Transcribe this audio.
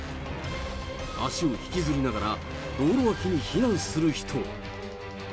足を引きずりながら道路脇に避難する人。